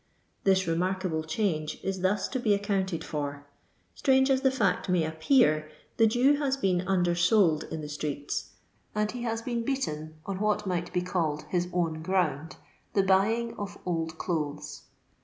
This remarkable change is thus to be accounted for. Strange as the fact may appear, the Jew haa been undersold in the streets, and he has been beaten on what might be called his own ground — the buying of old clothes.